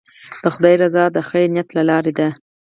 د خدای رضا د خیر نیت له لارې ده.